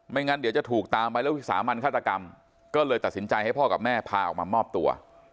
งั้นเดี๋ยวจะถูกตามไปแล้ววิสามันฆาตกรรมก็เลยตัดสินใจให้พ่อกับแม่พาออกมามอบตัว